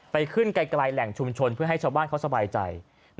ไปขึ้นไกลแหล่งชุมชนเพื่อให้ชาวบ้านเขาสบายใจ